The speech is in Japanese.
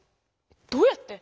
どうやって？